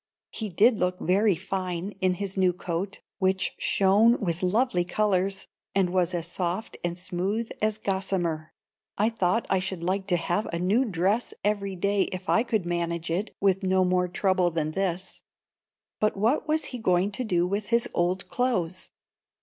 He did look very fine in his new coat, which shone with lovely colours, and was as soft and smooth as gossamer. I thought I should like to have a new dress every day if I could manage it with no more trouble than this. But what was he going to do with his old clothes?